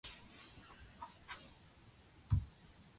I haven't any desire to go home.